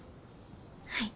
はい。